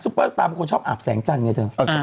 เปอร์สตาร์เป็นคนชอบอาบแสงจันทร์ไงเธอ